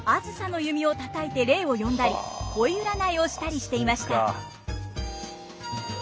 梓の弓を叩いて霊を呼んだり恋占いをしたりしていました。